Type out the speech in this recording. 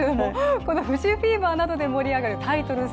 この藤井フィーバーなどで盛り上がるタイトル戦。